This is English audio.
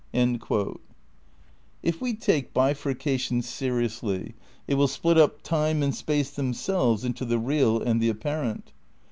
* If we take bifurcation seriously it will split up time and space themselves into the real and the apparent.